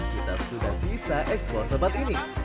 kita sudah bisa ekspor tempat ini